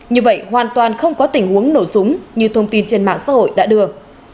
như vậy hoàn toàn không có tình huống nổ súng như thông tin trên mạng xã hội đã đưa